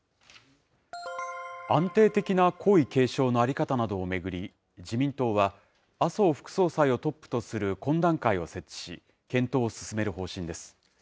安定的な皇位継承の在り方などを巡り、自民党は麻生副総裁をトップとする懇談会を設置し、検討を進める方針です。